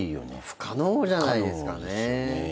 不可能じゃないですかね。